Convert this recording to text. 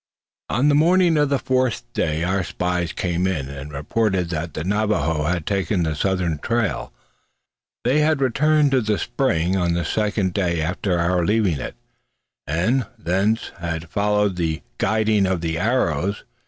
On the morning of the fourth day our spies came in, and reported that the Navajoes had taken the southern trail. They had returned to the spring on the second day after our leaving it, and thence had followed the guiding of the arrows.